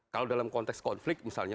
kalau dalam konteks konflik misalnya